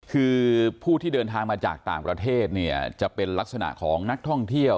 คือผู้ที่เดินทางมาจากต่างประเทศเนี่ยจะเป็นลักษณะของนักท่องเที่ยว